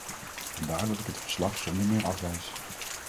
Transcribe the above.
Vandaar dat ik het verslag zonder meer afwijs.